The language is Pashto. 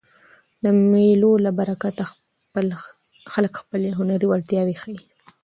د مېلو له برکته خلک خپلي هنري وړتیاوي ښيي.